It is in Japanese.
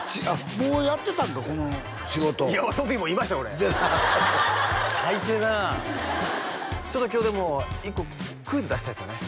もうやってたんかこの仕事いやその時もういました俺最低だなちょっと今日でも１個クイズ出したいですよね